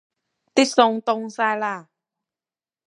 啲餸凍晒喇